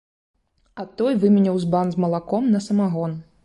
А той выменяў збан з малаком на самагон.